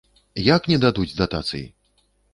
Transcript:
Як не дадуць датацый?!